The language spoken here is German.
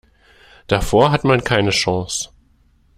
Davor hat man keine Chance.